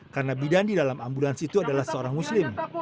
karena bidan di dalam ambulans itu adalah seorang muslim